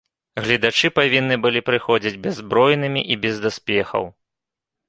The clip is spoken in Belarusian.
Гледачы павінны былі прыходзіць бяззбройнымі і без даспехаў.